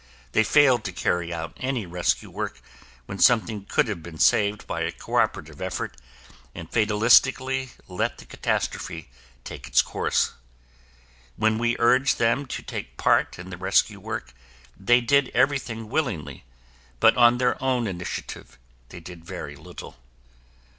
They failed to carry out any rescue work when something could have been saved by a cooperative effort, and fatalistically let the catastrophe take its course. When we urged them to take part in the rescue work, they did everything willingly, but on their own initiative they did very little.